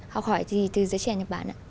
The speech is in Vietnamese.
học hỏi gì từ giới trẻ nhật bản